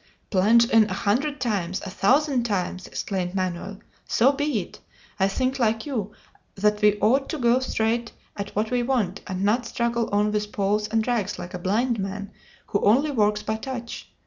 "Plunge in a hundred times a thousand times!" exclaimed Manoel. "So be it. I think, like you, that we ought to go straight at what we want, and not struggle on with poles and drags like a blind man who only works by touch.